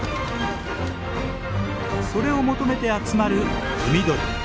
それを求めて集まる海鳥。